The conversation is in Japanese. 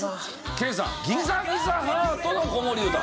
研さん『ギザギザハートの子守唄』。